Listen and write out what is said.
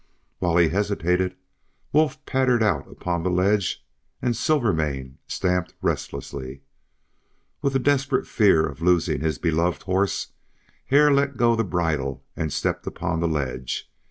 While he hesitated Wolf pattered out upon the ledge and Silvermane stamped restlessly. With a desperate fear of losing his beloved horse Hare let go the bridle and stepped upon the ledge.